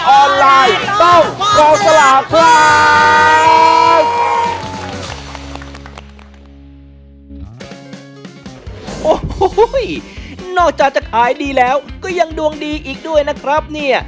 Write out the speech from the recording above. โอ้โหนอกจากจะขายดีแล้วก็ยังดวงดีอีกด้วยนะครับเนี่ย